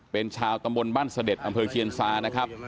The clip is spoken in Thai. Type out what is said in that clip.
เป็นชาวตำบลบ้านเสด็จอำเภอเคียนซานะครับ